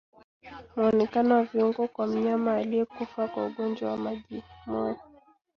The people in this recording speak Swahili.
Muonekano wa viungo kwa mnyama aliyekufa kwa ugonjwa wa majimoyo